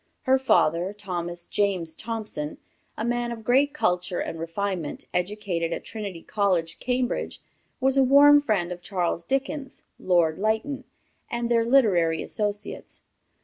Her father, Thomas James Thompson, a man of great culture and refinement, educated at Trinity College, Cambridge, was a warm friend of Charles Dickens, Lord Lytton, and their literary associates.